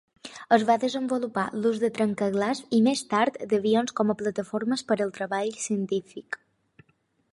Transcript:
Es va desenvolupar l'ús de trencaglaç i, més tard, d'avions com a plataformes per al treball científic.